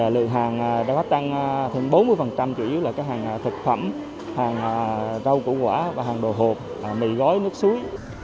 lượng hàng đã tăng hơn bốn mươi chủ yếu là các hàng thực phẩm hàng rau củ quả hàng đồ hộp mì gói nước suối